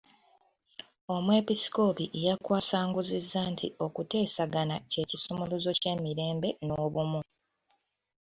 Omwepisikoopi yakwasanguzizza nti okuteesagana kye kisumuluzo ky'emirembe n'obumu.